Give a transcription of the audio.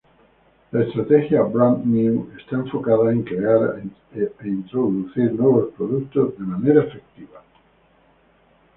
La estrategia brand-new está enfocada en crear e introducir nuevos productos de manera efectiva.